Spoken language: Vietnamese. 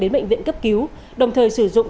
đến bệnh viện cấp cứu đồng thời sử dụng